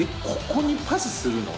ここにパスするの？